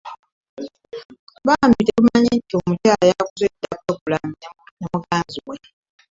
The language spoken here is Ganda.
Bambi nga takimanyi nti omukyala yakoze dda pulogulaamu ne muganzi we.